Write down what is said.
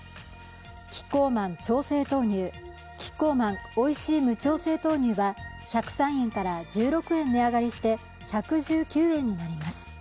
キッコーマン調製豆乳、キッコーマンおいしい無調整豆乳は１０３円から１６円値上がりして１１９円になります。